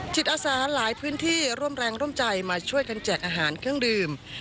จิตอาสาหลายพื้นที่ร่วมแรงร่วมใจมาช่วยกันแจกอาหารเครื่องดื่ม